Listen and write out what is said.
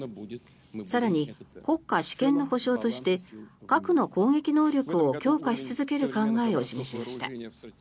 更に、国家主権の保証として核の攻撃能力を強化し続ける考えを示しました。